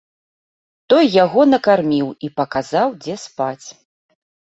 Той яго накарміў і паказаў, дзе спаць.